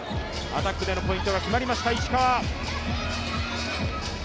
アタックでのポイントが決まりました、石川。